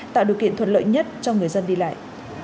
tạo điều kiện thuận lợi nhất cho người dân đi lại